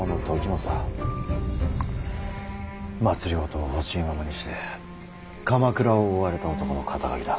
政をほしいままにして鎌倉を追われた男の肩書だ。